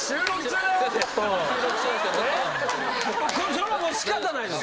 それはもう仕方ないです。